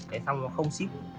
để xong nó không ship